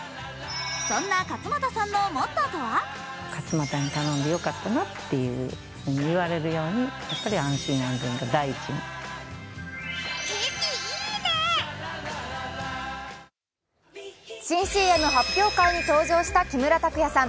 そんな勝又さんのモットーとは新ＣＭ発表会に登場した木村拓哉さん。